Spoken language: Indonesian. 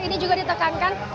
ini juga ditekankan